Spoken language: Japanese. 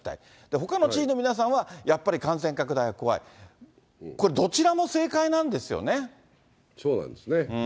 ほかの知事の皆さんは、やっぱり感染拡大が怖い、これ、どちらもそうなんですね。